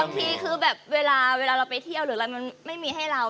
บางทีคือแบบเวลาเราไปเที่ยวหรืออะไรมันไม่มีให้เรา